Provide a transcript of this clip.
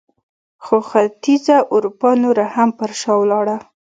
خو ختیځه اروپا نوره هم پر شا ولاړه.